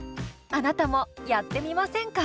あなたもやってみませんか？